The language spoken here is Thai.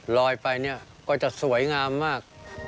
ลอยไปก็จะสวยงามมาก